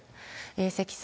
積算